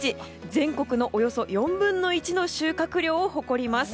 全国のおよそ４分の１の収穫量を誇ります。